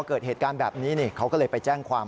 เกิดเหตุการณ์แบบนี้นี่เขาก็เลยไปแจ้งความ